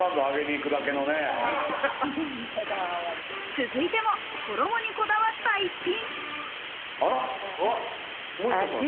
続いても、衣にこだわった逸品。